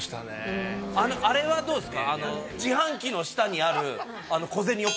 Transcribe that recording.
あれはどうですか？